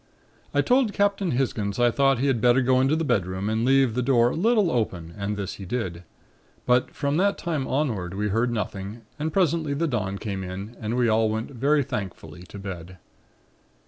"I told Captain Hisgins I thought he had better go into the bedroom and leave the door a little open and this he did. But from that time onward we heard nothing and presently the dawn came in and we all went very thankfully to bed.